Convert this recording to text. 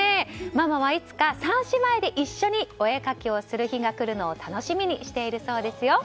ママはいつか３姉妹で一緒にお絵かきをする人が来るのを楽しみにしているそうですよ。